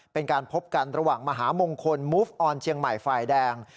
เป็นการพบกันระหว่างมหามงคลมูฟออนเชียงใหม่ฝ่ายแดง